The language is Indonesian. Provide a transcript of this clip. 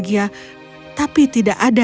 mereka juga selalu mencari tempat untuk berjalan